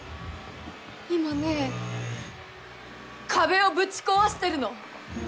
今ね壁をぶち壊してるの。